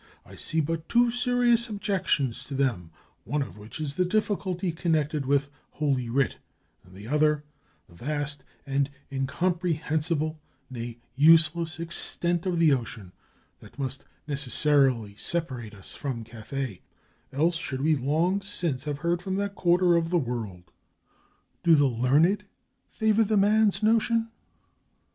I see but two serious objections to them, one of which is the difficulty con 480 A GLIMPSE OF COLUMBUS IN SPAIN nected with Holy Writ: and the other, the vast and incomprehensible, nay, useless, extent of the ocean that must necessarily separate us from Cathay; else should we long since have heard from that quarter of the world." "Do the learned favor the man's notion?"